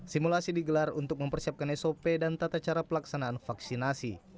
simulasi digelar untuk mempersiapkan sop dan tata cara pelaksanaan vaksinasi